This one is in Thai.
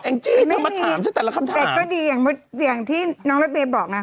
แองจี้เธอมาถามซะแต่ละคำถามแต่ก็ดีอย่างที่น้องรับเปย์บอกนะ